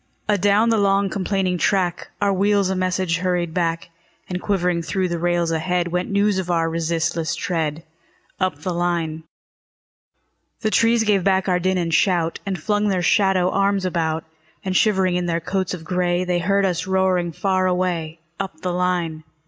Adown the long, complaining track, Our wheels a message hurried back; And quivering through the rails ahead, Went news of our resistless tread, Up the line. The trees gave back our din and shout, And flung their shadow arms about; And shivering in their coats of gray, They heard us roaring far away, Up the line.